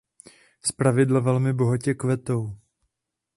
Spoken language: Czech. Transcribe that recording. Zpravidla velmi bohatě kvetou.